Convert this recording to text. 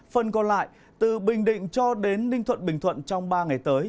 phần còn lại từ bình định cho đến ninh thuận bình thuận trong ba ngày tới